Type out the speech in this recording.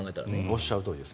おっしゃるとおりです。